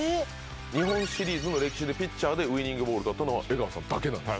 日本シリーズの歴史で、ピッチャーでウイニングボール捕ったのは江川さんだけなんですか？